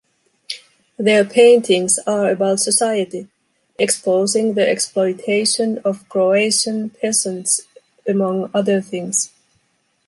Their paintings are about society, exposing the exploitation of Croatian peasants among other things.